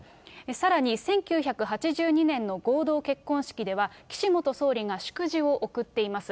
さらに１９８２年の合同結婚式では、岸元総理が祝辞を送っています。